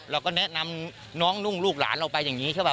เราก็แนะนำน้องลูกหลานเราไปอย่างนี้เจ้าเบา